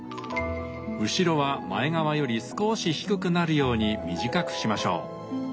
後ろは前側より少し低くなるように短くしましょう。